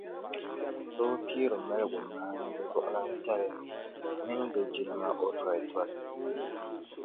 So bi piiri maligumaaniba zuɣulantali mini di jilima o tolitoli.